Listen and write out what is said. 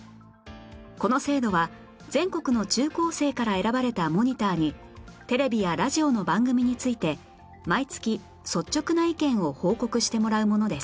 この制度は全国の中高生から選ばれたモニターにテレビやラジオの番組について毎月率直な意見を報告してもらうものです